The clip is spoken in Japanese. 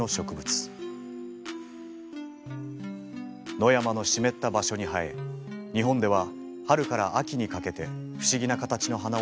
野山の湿った場所に生え日本では春から秋にかけて不思議な形の花を咲かせます。